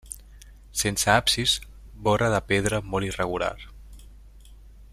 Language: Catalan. Sense absis, bora de pedra molt irregular.